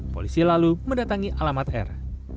polisi lalu mendatangi alamat r